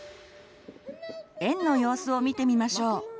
園の様子を見てみましょう。